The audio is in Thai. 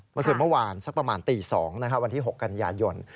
เมื่อวานสักประมาณตี๒วันที่๖กันยายน